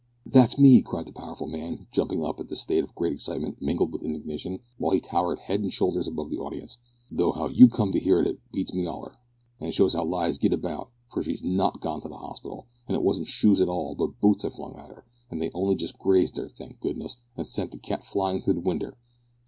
"That's me!" cried the powerful man, jumping up in a state of great excitement mingled with indignation, while he towered head and shoulders above the audience, "though how you come for to 'ear on't beats me holler. An' it shows 'ow lies git about, for she's not gone to the hospital, an' it wasn't shoes at all, but boots I flung at 'er, an' they only just grazed 'er, thank goodness, an' sent the cat flyin' through the winder.